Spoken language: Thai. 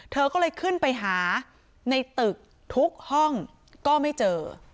เธอก็เลยขึ้นไปหาในตึกทุกห้องก็ไม่เจอ